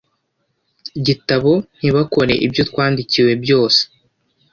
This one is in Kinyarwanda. Gitabo ntibakore ibyo twandikiwe byose